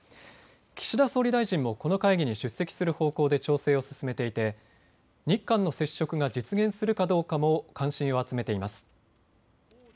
岸田総理大臣もこの会議に出席する方向で調整を進めていて日韓の接触が実現するかどうかも関心を集めています。